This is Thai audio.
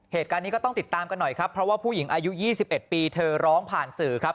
เหตุการณ์นี้ก็ต้องติดตามกันหน่อยครับเพราะว่าผู้หญิงอายุ๒๑ปีเธอร้องผ่านสื่อครับ